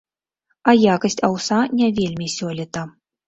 А якасць аўса не вельмі сёлета.